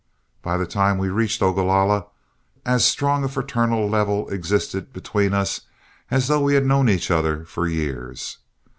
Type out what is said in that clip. By the time we reached Ogalalla, as strong a fraternal level existed between us as though we had known each other for years.